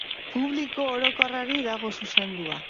Publiko orokorrari dago zuzendua.